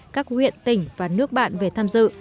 các huyện tỉnh và nước bạn về tham dự